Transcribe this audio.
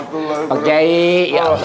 alhamdulillah ustadz bayat udah nyampe lagi